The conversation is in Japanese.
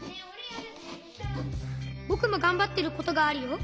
ぼくもがんばってることがあるよ。